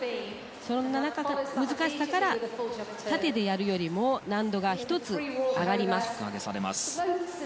そんな難しさから縦でやるよりも難度が１つ上がります。